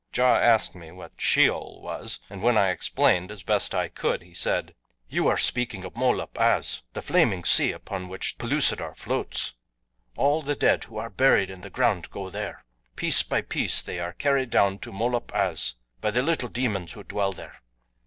Ja asked me what Sheol was, and when I explained, as best I could, he said, "You are speaking of Molop Az, the flaming sea upon which Pellucidar floats. All the dead who are buried in the ground go there. Piece by piece they are carried down to Molop Az by the little demons who dwell there.